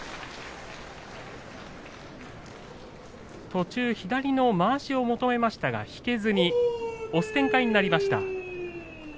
途中、左のまわしを求めましたが引けずに押す展開になりました。